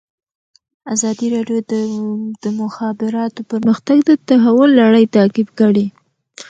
ازادي راډیو د د مخابراتو پرمختګ د تحول لړۍ تعقیب کړې.